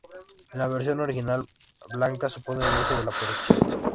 La versión original blanca supone el grueso de la producción.